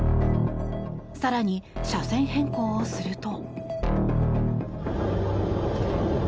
更に、車線変更をすると。